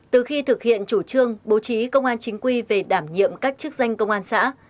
từ khi thực hiện chủ trương bố trí công an chính quy về đảm nhiệm các chức danh công an xã